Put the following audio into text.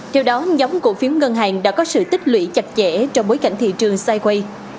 theo đó nhóm cổ phiếu ngân hàng đã có sự tích lũy chặt chẽ trong bối cảnh thị trường sai quay